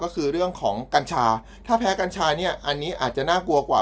ก็คือเรื่องของกัญชาถ้าแพ้กัญชาเนี่ยอันนี้อาจจะน่ากลัวกว่า